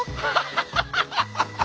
ハハハハ！